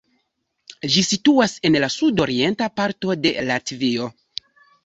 Ĝi situas en la sudorienta parto de Latvio.